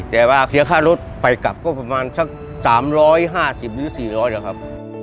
แต่ว่าเสียค่ารถไปกลับก็ประมาณสัก๓๕๐หรือ๔๐๐นะครับ